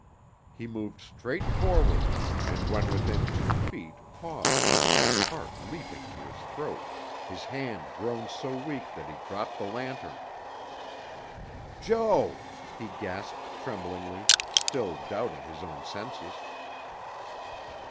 He moved straight forward and when within two feet paused, his heart leaping to his throat, his hand grown so weak that he dropped the lantern. "Jo!" he gasped tremblingly, still doubting his own senses.